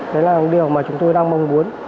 đấy là điều mà chúng tôi đang mong muốn